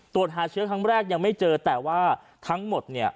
ตรวจหาเชื้อครั้งแรกยังไม่เจอแต่ว่าทั้งหมดเนี่ย